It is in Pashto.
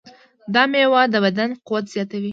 دا مېوه د بدن قوت زیاتوي.